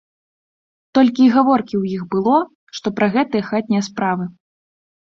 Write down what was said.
Толькі і гаворкі ў іх было што пра гэтыя хатнія справы.